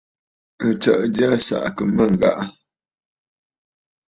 Àtsə̀ʼə̀ já á sáʼánə́mə́ ghàrə̀.